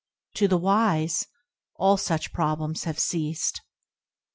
To the wise, all such problems have ceased.